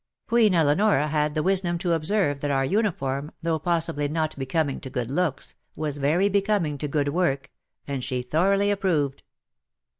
Queen Eleonora had the wisdom to observe WAR AND WOMEN 6^ that our uniform, though possibly not becoming to good looks, was very becoming to good work, and she thoroughly approved.